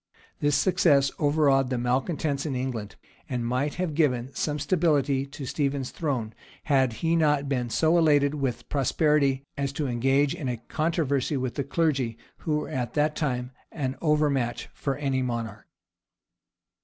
This success overawed the malecontents in England, and might have given some stability to Stephen's throne, had he not been so elated with prosperity as to engage in a controversy with the clergy, who were at that time an overmatch for any monarch.